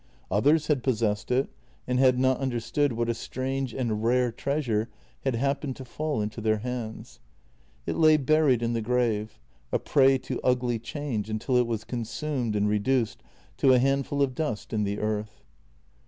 Others had possessed it, and had not understood what a strange and rare treasure had happened to fall into their hands. It lay buried in the grave, a prey to ugly change until it was consumed and reduced to a handful of dust in the earth.